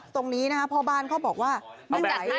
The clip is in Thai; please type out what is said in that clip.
ตรงนี้นะคะพ่อบ้านเขาบอกว่าไม่ไหว